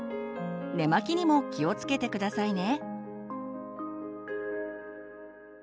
寝巻きにも気をつけて下さいね。